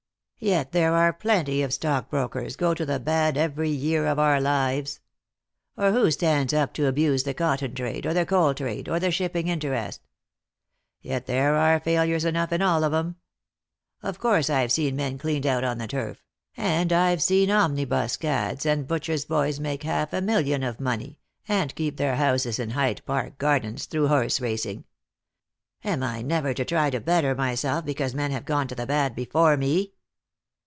Yet there are plenty of stockbrokers go to the bad every year of our lives. Or who stands up to abuse the cotton trade, or the coal trade, or the shipping interest ? Yet there are failures enough in all of 'em. Of course I've seen men cleaned out on the turf; and I've seen omnibus cads and butcher's boys make half a million of money, and keep their houses in Hyde park gardens, through Lost for Love. 269 horse racing. Am I never to try to better myself because men have iroiie to the bad before me